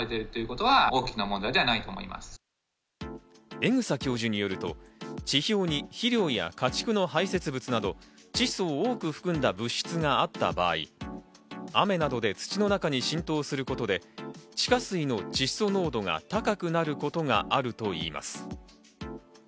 江種教授によると、地表に肥料や家畜の排せつ物など、窒素を多く含んだ物質があった場合、雨などで土の中に浸透することで、地下水の窒素濃度が高くなることがあるといいます。